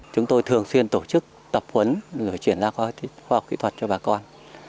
chúng tôi thường xuyên tổ chức tập huấn rồi chuyển ra khoa học kỹ thuật cho bà con